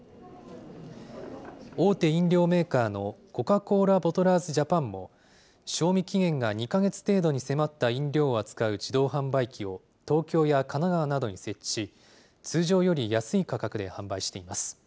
大手飲料メーカーのコカ・コーラボトラーズジャパンも、賞味期限が２か月程度に迫った飲料を扱う自動販売機を、東京や神奈川などに設置し、通常より安い価格で販売しています。